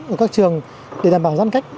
ở các trường để đảm bảo gian cách